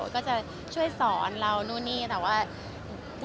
ก็จะช่วยสอนเรานู่นนี่แต่ว่า